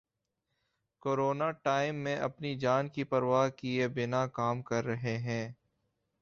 Corona time میں اپنی جان کی پرواہ کیے بنا کام کر رہے ہیں۔